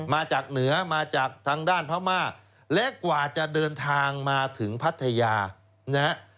มาจากเหนือมาจากทางด้านพม่าและกว่าจะเดินทางมาถึงพัทยานะฮะ